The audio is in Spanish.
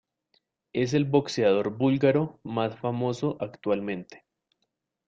Es el boxeador búlgaro más famoso actualmente.